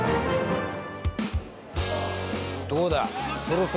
どうだ？